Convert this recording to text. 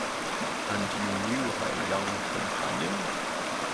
And you knew her young companion?